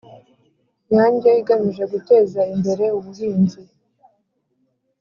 nyange igamije guteza imbere ubuhinzi